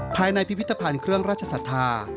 ภายในพิพิธภัณฑ์เครื่องราชศรัทธา